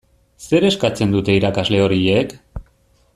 Zer eskatzen dute irakasle horiek?